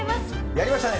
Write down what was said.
やりましたね。